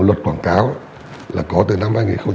luật quảng cáo có từ năm hai nghìn một mươi ba